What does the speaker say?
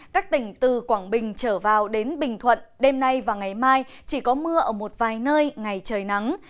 các tỉnh từ quảng bình trở vào đến bình thuận đêm nay và ngày mai chỉ có mưa ở một vài nơi ngày trời nắng